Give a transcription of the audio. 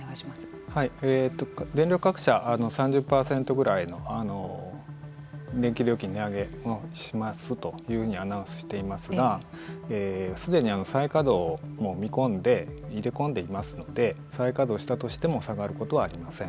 電力各社３０％ぐらいの電気料金値上げをしますというふうにアナウンスしていますがすでに再稼働を見込んで入れ込んでいますので再稼働したとしても下がることはありません。